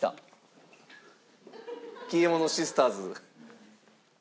消え物シスターズ。